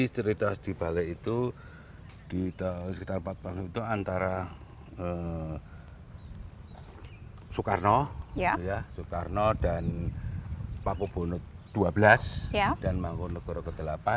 soekarno dan paku buwono xii dan mangku negara ke delapan